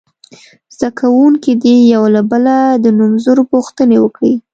زده کوونکي دې یو له بله د نومځرو پوښتنې وکړي.